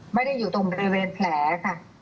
ไม่ได้อยู่ตรงบริเวณแผลค่ะ